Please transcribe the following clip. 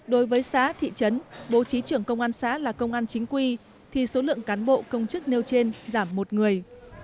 đối với xã thị trấn bố trí trưởng công an xã là công an chính quy thì số lượng cán bộ công chức nêu trên giảm một người